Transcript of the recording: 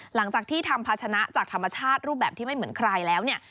หลังจากที่ทำภาชนะจากธรรมชาติรูปแบบที่ไม่เหมือนใครแล้วเนี่ย